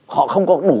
họ không có đủ